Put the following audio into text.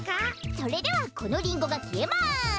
それではこのリンゴがきえます。